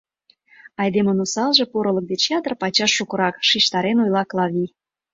Айдемын осалже порылык деч ятыр пачаш шукырак, — шижтарен ойла Клави.